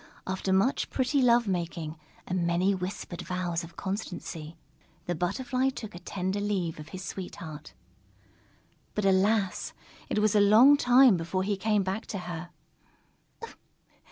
After much pretty love making and many whispered vows of constancy, the Butterfly took a tender leave of his sweetheart. But alas! It was a long time before he came back to her.